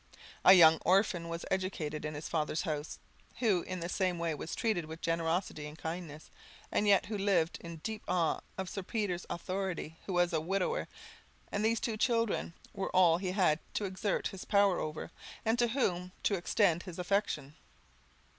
A young orphan was educated in his father's house, who in the same way was treated with generosity and kindness, and yet who lived in deep awe of Sir Peter's authority, who was a widower; and these two children were all he had to exert his power over, or to whom to extend his affection.